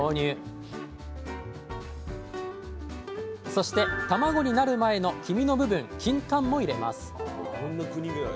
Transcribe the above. そして卵になる前の黄身の部分「キンカン」も入れます。